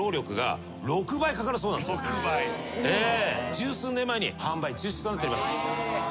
十数年前に販売中止となっております。